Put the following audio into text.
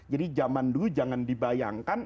jadi zaman dulu jangan dibayangkan